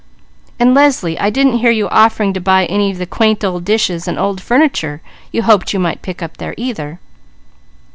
And Leslie, I didn't hear you offering to buy any of the quaint dishes and old furniture you hoped you might pick up there, either."